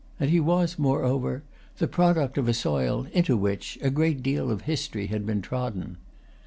And he was, moreover, the product of a soil into which a great deal of history had been trodden.